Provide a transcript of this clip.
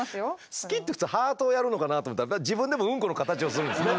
好きって普通ハートをやるのかなと思ったら自分でもウンコの形をするんですね。